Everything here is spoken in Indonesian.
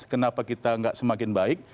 kenapa kita tidak semakin baik